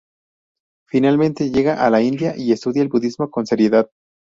Finalmente llega a la India y estudia el budismo con seriedad.